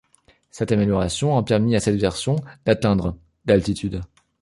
Cette amélioration a permis à cette version d'atteindre d'altitude.